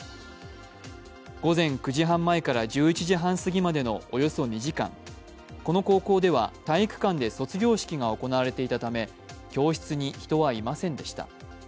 午前９時半前から１１時半すぎまでのおよそ２時間この高校では体育館で卒業式が行われていたため、教室に人はいませんでした。